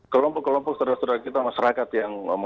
kelompok kelompok terdaptar kita masyarakat yang